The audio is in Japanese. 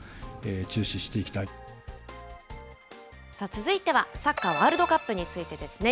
続いてはサッカーワールドカップについてですね。